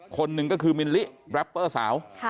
คนหนึ่งก็คือมิลลิแรปเปอร์สาว